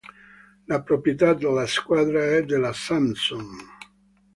La proprietà della squadra è della Samsung.